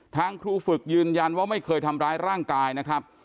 ทางครูฝึกยืนยันว่าไม่เคยทำร้ายร่างกายนะครับ